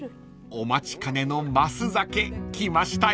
［お待ちかねの升酒来ましたよ］